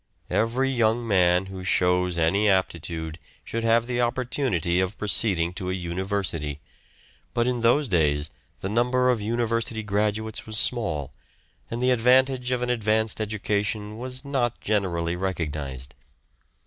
Every young man who shows any aptitude should have the opportunity of proceeding to a university, but in those days the number of university graduates was small, and the advantage of an advanced education was not generally recognised.